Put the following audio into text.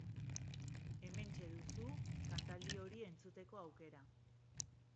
Hementxe duzu kantaldi hori entzuteko aukera.